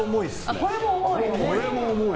これも重い。